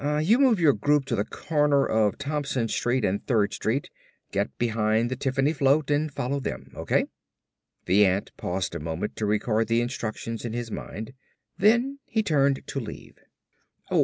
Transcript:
You move your group to the corner of Thompson Street and Third Street. Get behind the Tiffany float and follow them, okay?" The ant paused a moment to record the instructions in his mind. Then he turned to leave.